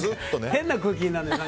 変な空気になるんだよ